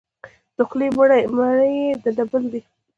د خولې مړی یې د بل دی.